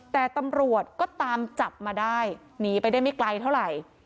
แต่ตำรวจก็ตามจับมาได้หนีไปได้ไม่ไกลเท่าไหร่